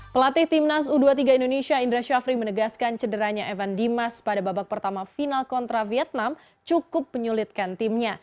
pelatih timnas u dua puluh tiga indonesia indra syafri menegaskan cederanya evan dimas pada babak pertama final kontra vietnam cukup menyulitkan timnya